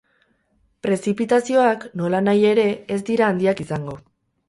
Prezipitazioak, nolanahi ere, ez dira handiak izango.